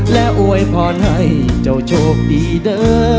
และอวยพรให้เจ้าโชคดีเด้อ